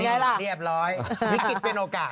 นี่เรียบร้อยนี่กิ๊ดเป็นโอกาส